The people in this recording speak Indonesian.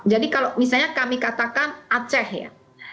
jadi kalau misalnya kami katakan aceh ya